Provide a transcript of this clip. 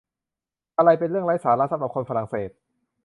อะไรเป็นเรื่องไร้สาระสำหรับคนฝรั่งเศส